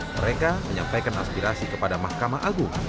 mereka menyampaikan aspirasi kepada mahkamah agung